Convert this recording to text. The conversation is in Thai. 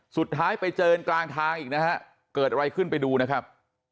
สุดท้ายไปเจอกันกลางทางอีกนะฮะเกิดอะไรขึ้นไปดูนะครับ